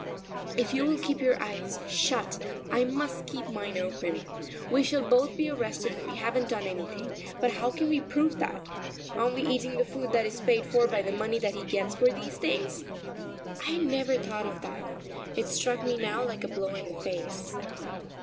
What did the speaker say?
"If you will keep your eyes shut I must keep mine open. We shall both be arrested and we haven't done anything, but how can we prove that? Aren't we eating the food that is paid for by the money that he gets for these things?" I had never thought of that; it struck me now like a blow in the face.